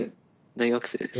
大学生です。